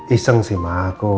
iseng sih maku